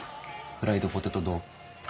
フライドポテトどう？